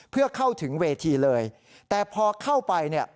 เพื่อเข้าถึงเวทีเลยแต่พอเข้าไปเนี่ย